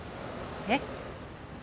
えっ？